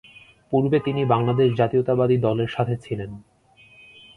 পূর্বে তিনি বাংলাদেশ জাতীয়তাবাদী দলের সাথে ছিলেন।